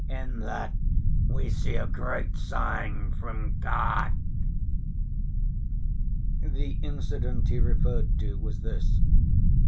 In that we see a great sign from God." The incident he referred to was this.